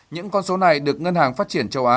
những con số này được ngân hàng phát triển châu á